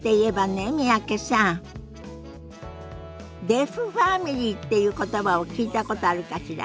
「デフファミリー」っていう言葉を聞いたことあるかしら？